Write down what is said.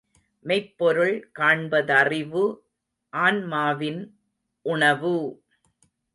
மெய்ப்பொருள் காண்பதறிவு ஆன்மாவின் உணவு!